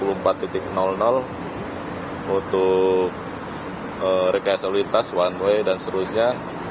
untuk rekayasa lalu lintas one way dan seterusnya